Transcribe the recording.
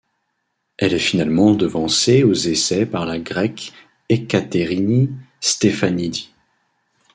Elle est finalement devancée aux essais par la Grecque Ekateríni Stefanídi.